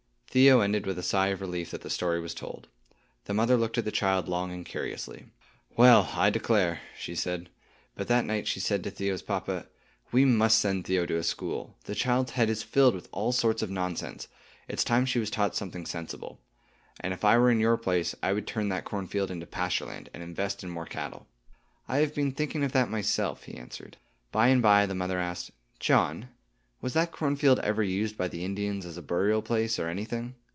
Theo ended with a sigh of relief that the story was told. The mother looked at the child long and curiously. "Well, I declare!" she said. But that night she said to Theo's papa: "We must send Theo to school. The child's head is filled with all sorts of nonsense; it's time she was taught something sensible; and, if I were in your place, I would turn that cornfield into pasture land, and invest in more cattle." "I have been thinking of that myself," he answered. By and by the mother asked, "John, was that cornfield ever used by the Indians as a burial place, or anything?"